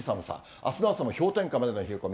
あすの朝も氷点下までの冷え込み。